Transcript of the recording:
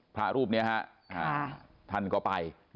พระรูปนี้ฮะท่านก็ไป